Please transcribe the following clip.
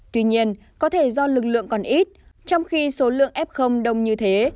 tuy nhiên có thể do lực lượng còn ít trong khi số lượng f đông như thế